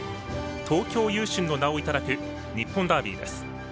東京優駿の名をいただく日本ダービーです。